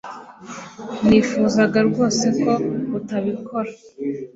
nifuzaga rwose ko utabikora